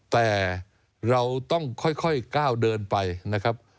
แต่เราต้องค่อยก้าวเดินไปนะครับ